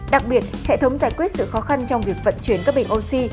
đặc biệt hệ thống giải quyết sự khó khăn trong việc vận chuyển các bình oxy